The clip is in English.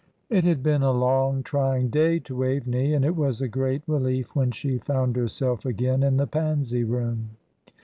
It had been a long, trying day to Waveney, and it was a great relief when she found herself again in the Pansy Room.